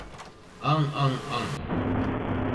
あんあんあ ｎ